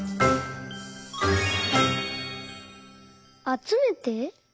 「あつめて」？